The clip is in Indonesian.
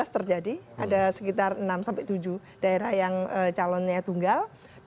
dua ribu lima belas terjadi ada sekitar enam tujuh daerah yang calonnya tunggal